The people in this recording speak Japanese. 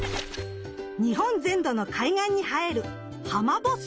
日本全土の海岸に生えるハマボッス。